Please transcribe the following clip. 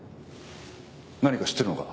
何か知ってるのか？